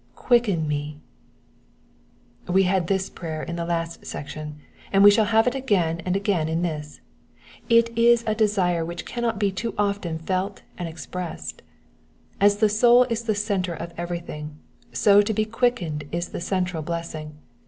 ^^ Quicken me.''^ We had this prayer in the last section, and we shall have it again and again in this. It is a desire which cannot be too often felt and expressed. As the soul is the centre of everything, so to be quickened is the central blessing.